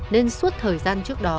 nên suốt thời gian trước đó